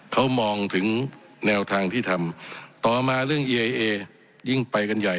เขามองถึงแนวทางที่ทำต่อมาเรื่องเอยิ่งไปกันใหญ่